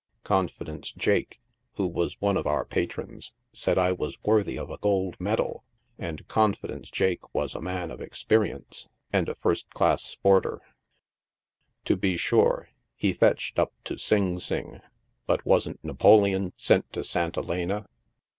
Confidence Jake, who was one of our patrons, said I was worthy of a gold medal, and Confidence Jake was a man of experience, and a first class sporter. To be sure, he fetched up to Sing Sing, but wasn't Napoleon sent to St. Helena.